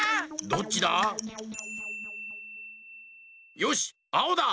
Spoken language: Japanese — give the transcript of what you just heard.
よしあおだ！